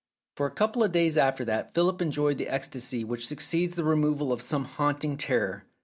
For a couple of days after that Philip enjoyed the ecstasy which succeeds the removal of some haunt ing terror.